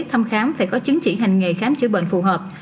thăm khám phải có chứng chỉ hành nghề khám chữa bệnh phù hợp